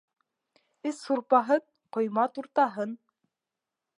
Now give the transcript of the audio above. Эс һурпаһын, ҡойма туртаһын.